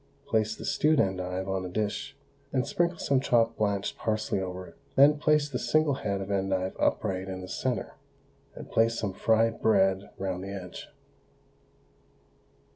Place the stewed endive on a dish, and sprinkle some chopped blanched parsley over it, then place the single head of endive upright in the centre, and place some fried bread round the edge.